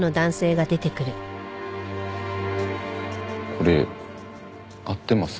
これ合ってます？